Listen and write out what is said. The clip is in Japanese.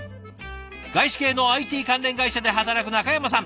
外資系のＩＴ関連会社で働くなかやまさん。